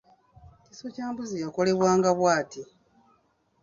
Kiiso kya mbuzi yakolebwanga bw’ati: